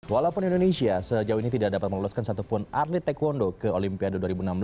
walaupun indonesia sejauh ini tidak dapat meloloskan satupun atlet taekwondo ke olimpiade dua ribu enam belas